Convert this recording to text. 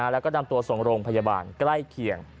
แล้วก็นำตัวส่งโรงพยาบาลใกล้เคียง